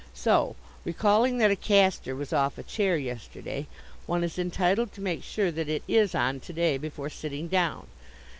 So, recalling that a castor was off a chair yesterday, one is entitled to make sure that it is on to day before sitting down.